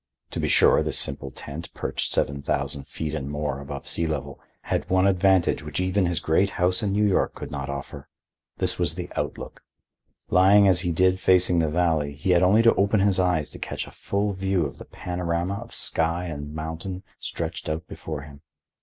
To be sure, this simple tent, perched seven thousand feet and more above sea level, had one advantage which even his great house in New York could not offer. This was the out look. Lying as he did facing the valley, he had only to open his eyes to catch a full view of the panorama of sky and mountain stretched out before him.